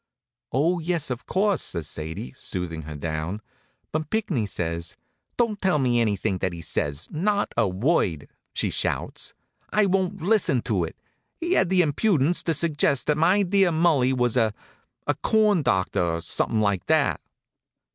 "Oh, yes, of course," says Sadie, soothing her down, "but Pinckney says " "Don't tell me anything that he says, not a word!" she shouts. "I won't listen to it. He had the impudence to suggest that my dear Mulli was a a corn doctor, or something like that."